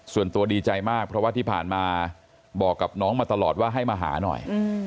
ส่วนตัวดีใจมากเพราะว่าที่ผ่านมาบอกกับน้องมาตลอดว่าให้มาหาหน่อย